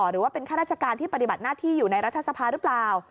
หรือว่าเป็นข้าราชการที่ปฏิบัติหน้าที่อยู่ในรัฐสภาหรือเปล่า